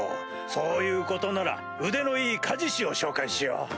そういうことなら腕のいい鍛冶師を紹介しよう！